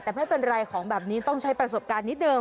แต่ไม่เป็นไรของแบบนี้ต้องใช้ประสบการณ์นิดเดิ